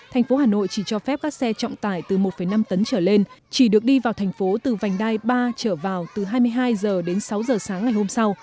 thành phố hà nội chỉ cho phép các xe trọng tải từ một năm tấn trở lên chỉ được đi vào thành phố từ vành đai ba trở vào từ hai mươi hai h đến sáu h sáng ngày hôm sau